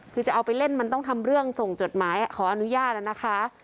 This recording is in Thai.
คือจะเอาไปเล่นมันต้องทำเรื่องส่งจดหมายขออนุญาตแล้วนะคะ